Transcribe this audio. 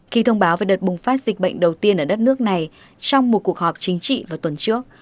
khi thông báo về đợt bùng phát dịch bệnh đầu tiên ở đất nước này trong một cuộc họp chính trị vào tuần trước